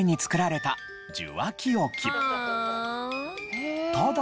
ただ。